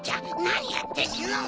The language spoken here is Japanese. なにやってんの！